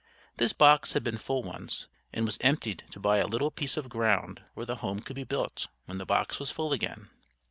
This box had been full once, and was emptied to buy a little piece of ground where the home could be built when the box was full again.